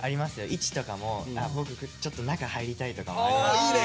位置とかも僕ちょっと中入りたいとかありますし。